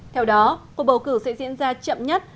theo đó cuộc bầu cử sẽ diễn ra chậm nhất